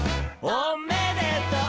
「おめでとう！」